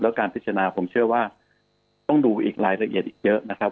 การพิจารณาผมเชื่อว่าต้องดูอีกรายละเอียดอีกเยอะนะครับ